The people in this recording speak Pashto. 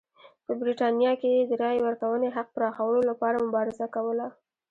په برېټانیا کې یې د رایې ورکونې حق پراخولو لپاره مبارزه کوله.